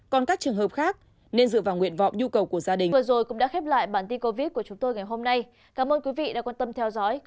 còn các trường hợp khác nên dựa vào nguyện vọng nhu cầu của gia đình